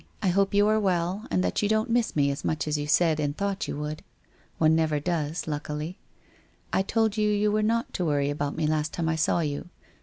I hope you are well, and that you don't miss me as much as you said and thought you would. One never does, luckily. I told you you were not to worry about me last time I saw you.